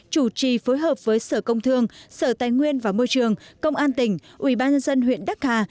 chủ trì phối hợp với sở công thương sở tài nguyên và môi trường công an tỉnh ubnd huyện đắc hà